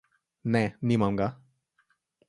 Ne, nimam ga.